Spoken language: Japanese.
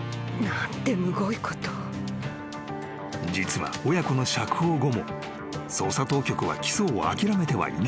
［実は親子の釈放後も捜査当局は起訴を諦めてはいなかった］